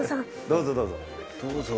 どうぞどうぞ。